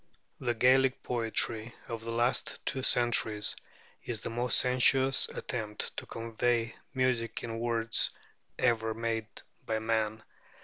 The Gaelic poetry of the last two centuries is the most sensuous attempt to convey music in words ever made by man.